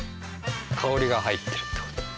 香りがはいってるってこと。